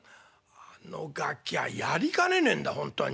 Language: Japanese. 「あのガキャやりかねねえんだ本当に。